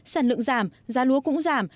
sản lượng giảm giá lúa cũng giảm